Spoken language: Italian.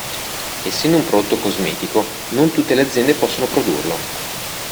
Essendo un prodotto Cosmetico non tutte le aziende possono produrlo.